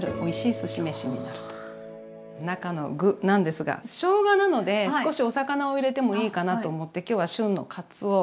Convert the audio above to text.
中の具なんですがしょうがなので少しお魚を入れてもいいかなと思って今日は旬のかつお。